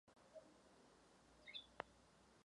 Další cesta hrdinů vede na Mars.